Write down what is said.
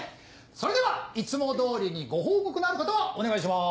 それではいつも通りにご報告のある方はお願いします！